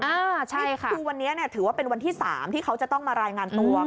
นี่คือวันนี้ถือว่าเป็นวันที่๓ที่เขาจะต้องมารายงานตัว